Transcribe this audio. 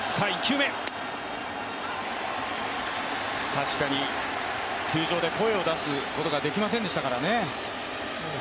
確かに球場で声を出すことができませんでしたからね。